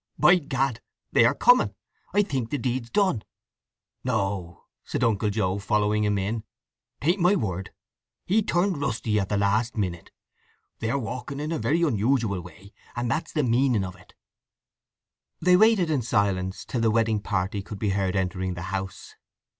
"By Gad, they are coming! I think the deed's done!" "No," said Uncle Joe, following him in. "Take my word, he turned rusty at the last minute. They are walking in a very unusual way; and that's the meaning of it!" They waited in silence till the wedding party could be heard entering the house.